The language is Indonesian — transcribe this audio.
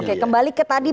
oke kembali ke tadi